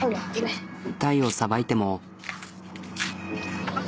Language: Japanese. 鯛をさばいても。